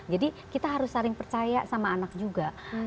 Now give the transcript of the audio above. jadi kita harus sering percaya sama anak juga